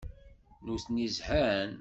Nutni zhan.